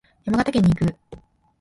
山形県に行く。